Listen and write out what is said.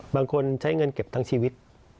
บางคนใช้เงินเก็บทั้งชีวิต